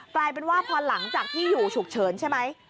กลายเป็นว่าพอหลังจากที่อยู่ฉุกเฉินใช่ไหม